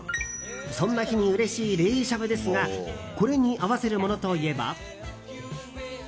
そんな日にうれしい冷しゃぶですがこれに合わせるものといえば。